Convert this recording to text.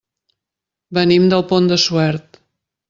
Venim del Pont de Suert.